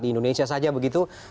di indonesia saja begitu